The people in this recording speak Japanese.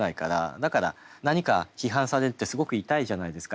だから何か批判されるってすごく痛いじゃないですか。